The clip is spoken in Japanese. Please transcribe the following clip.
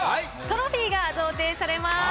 トロフィーが贈呈されます！